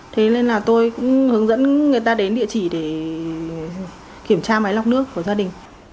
thế nên là tôi cũng hướng dẫn người ta đến địa chỉ để kiểm tra máy lọc nước của gia đình